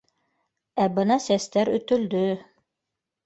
— Ә бына сәстәр өтөлдө